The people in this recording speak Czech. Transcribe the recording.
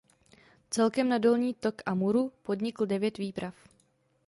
Celkem na dolní tok Amuru podnikl devět výprav.